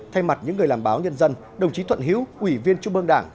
thay mặt những người làm báo nhân dân đồng chí thuận hiếu ủy viên trung ương đảng